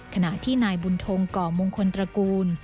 ขณะที่นายบุญทงก่อมงคลตระกูล